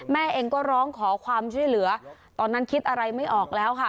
แม่เองก็ร้องขอความช่วยเหลือตอนนั้นคิดอะไรไม่ออกแล้วค่ะ